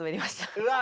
うわ